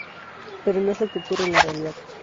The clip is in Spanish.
Pero no es lo que ocurre en la realidad.